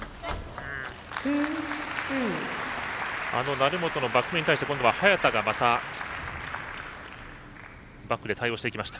成本のバックに対して今度は早田がまた、バックで対応していきました。